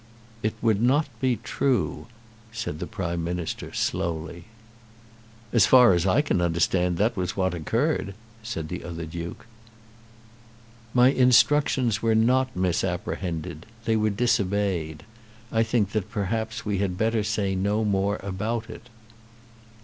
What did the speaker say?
"It would not be true," said the Prime Minister, slowly. "As far as I can understand that was what occurred," said the other Duke. "My instructions were not misapprehended. They were disobeyed. I think that perhaps we had better say no more about it."